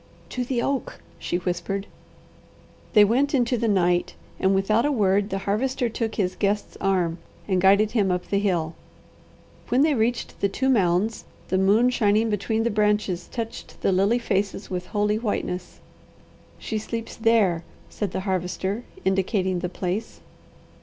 "To the oak," she whispered. They went into the night, and without a word the Harvester took his guest's arm and guided him up the hill. When they reached the two mounds the moon shining between the branches touched the lily faces with with holy whiteness. "She sleeps there," said the Harvester, indicating the place.